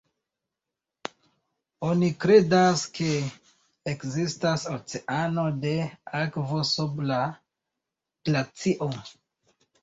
Oni kredas ke ekzistas oceano de akvo sub la glacio.